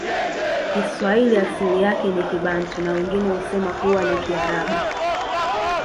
kiswahili asili yake ni kibantu na wengine husema kuwa ni kiarabu